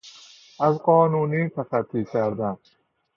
از قانونی تخطی کردن